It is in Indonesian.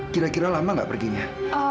kira kira lama gak pergi nih ya